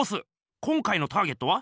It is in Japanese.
今回のターゲットは？